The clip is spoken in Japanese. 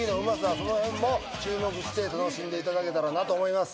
そのへんも注目して楽しんでいただけたらなと思います